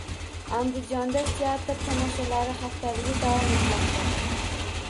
Andijonda "Teatr tomoshalari haftaligi" davom etmoqda